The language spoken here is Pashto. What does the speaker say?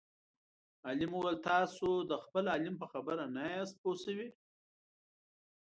عالم وویل تاسو د خپل عالم په خبره نه یئ پوه شوي.